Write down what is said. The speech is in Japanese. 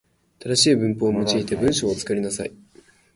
正しい文法を用いて文章を作りなさい。